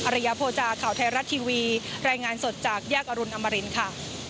ระยะโภจาข่าวไทยรัฐทีวีรายงานสดจากแยกอรุณอมรินค่ะ